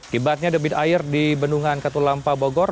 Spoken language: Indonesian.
kibatnya debit air di bendungan ketulampa bogor